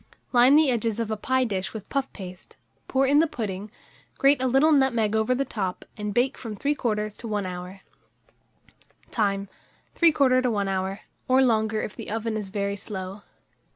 Line the edges of a pie dish with puff paste, pour in the pudding, grate a little nutmeg over the top, and bake from 3/4 to 1 hour. Time. 3/4 to 1 hour, or longer if the oven is very slow.